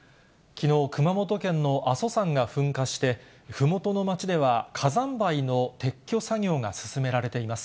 きのう、熊本県の阿蘇山が噴火して、ふもとの町では、火山灰の撤去作業が進められています。